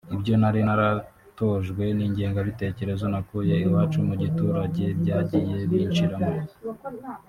Ibyo nari naratojwe n’ingengabitekerezo nakuye iwacu mu giturage byagiye binshiramo